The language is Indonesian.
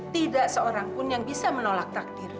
tidak seorang pun yang bisa menolak takdir